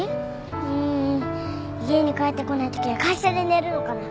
うん家に帰ってこないときは会社で寝るのかな。